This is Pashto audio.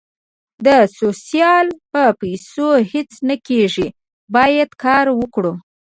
د سوسیال په پېسو هیڅ نه کېږي باید کار وکړو